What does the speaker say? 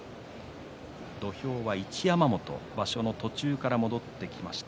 土俵は一山本場所の途中から戻ってきました。